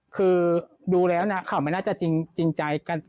คือดูแล้วนะข่าวไม่น่าจะจริงใจกัน